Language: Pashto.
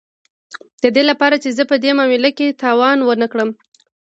د دې لپاره چې زه په دې معامله کې تاوان ونه کړم